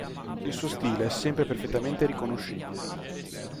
Il suo stile è sempre perfettamente riconoscibile.